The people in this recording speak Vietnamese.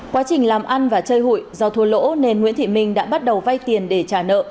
quá trình làm ăn và chơi hụi do thua lỗ nên nguyễn thị minh đã bắt đầu vay tiền để trả nợ